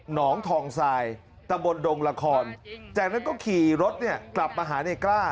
หนองทองทรายตะบนดงละครจากนั้นก็ขี่รถเนี่ยกลับมาหาในกล้า